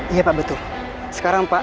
iya pak betul sekarang pak